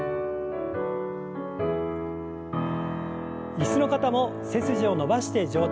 椅子の方も背筋を伸ばして上体を前に。